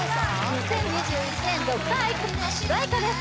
２０２１年「ドクターＸ」の主題歌です